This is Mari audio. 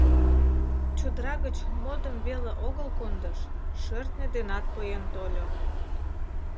Чодыра гыч модым веле огыл кондыш — шӧртньӧ денат поен тольо.